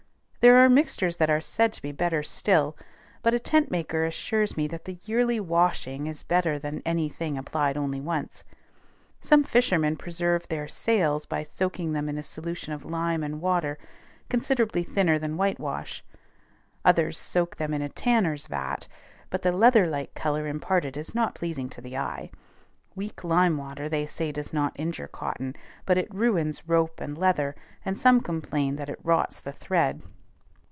There are mixtures that are said to be better still, but a tent maker assures me that the yearly washing is better than any thing applied only once. Some fishermen preserve their sails by soaking them in a solution of lime and water considerably thinner than whitewash. Others soak them in a tanner's vat; but the leather like color imparted is not pleasing to the eye. Weak lime water they say does not injure cotton; but it ruins rope and leather, and some complain that it rots the thread.